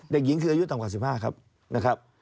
เด็กหญิงคืออายุต่ำกว่า๑๕ครับนะครับ